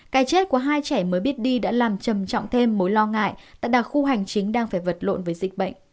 cái chết của hai trẻ mới biết đi đã làm trầm trọng thêm mối lo ngại tại đặc khu hành chính đang phải vật